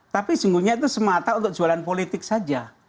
tapi sejunggunya itu semata untuk jualan politik saja